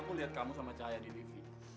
aku lihat kamu sama cahaya di tv